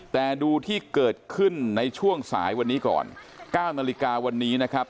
แต่ดูที่เกิดขึ้นในช่วงสายวันนี้ก่อน๙นาฬิกาวันนี้นะครับ